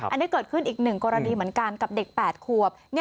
อันนี้เกิดขึ้นอีกหนึ่งกรณีเหมือนกันกับเด็ก๘ขวบ